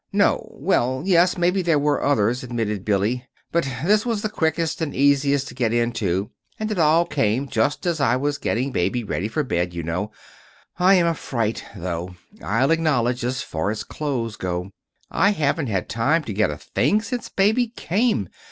"No well, yes, maybe there were others," admitted Billy; "but this was the quickest and easiest to get into, and it all came just as I was getting Baby ready for bed, you know. I am a fright, though, I'll acknowledge, so far as clothes go. I haven't had time to get a thing since Baby came.